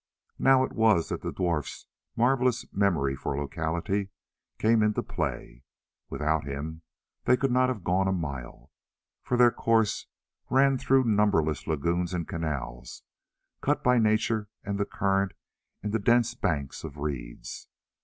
Now it was that the dwarf's marvellous memory for locality came into play. Without him they could not have gone a mile, for their course ran through numberless lagoons and canals, cut by nature and the current in the dense banks of reeds.